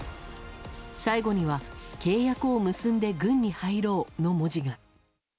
最後には、「契約を結んで軍に入ろう」の文字が。